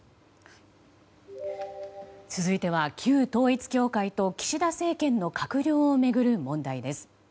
続いては旧統一教会と岸田政権の閣僚を巡る問題です。